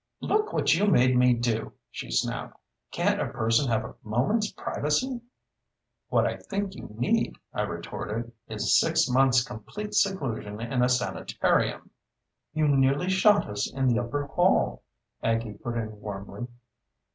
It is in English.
"Look what you made me do!" she snapped. "Can't a person have a moment's privacy?" "What I think you need," I retorted, "is six months' complete seclusion in a sanitarium." "You nearly shot us in the upper hall," Aggie put in warmly.